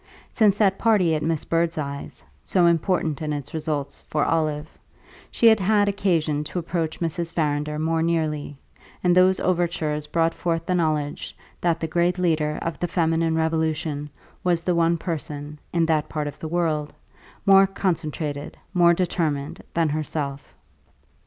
Since that party at Miss Birdseye's, so important in its results for Olive, she had had occasion to approach Mrs. Farrinder more nearly, and those overtures brought forth the knowledge that the great leader of the feminine revolution was the one person (in that part of the world) more concentrated, more determined, than herself.